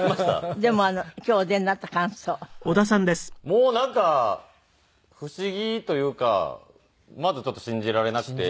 もうなんか不思議というかまだちょっと信じられなくて。